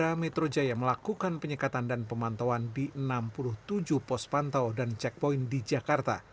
polda metro jaya melakukan penyekatan dan pemantauan di enam puluh tujuh pos pantau dan checkpoint di jakarta